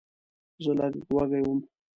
زه لږ وږی وم.